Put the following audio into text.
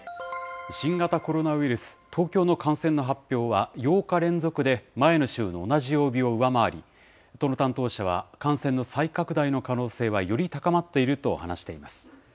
新型コロナウイルス、東京の感染の発表は、８日連続で前の週の同じ曜日を上回り、都の担当者は感染の再拡大の可能性はより高まっていると話しています。